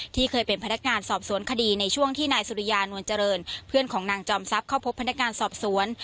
ที่เคยเป็นพนักงานสอบสวนคดีในช่วงที่นายสุริยานวลเจริญเพื่อนของนางจอมทรัพย์เข้าพบพนักงานสอบสวน